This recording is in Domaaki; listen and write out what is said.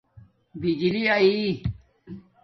بجلی اݺݵ